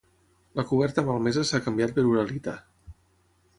La coberta malmesa s'ha canviat per uralita.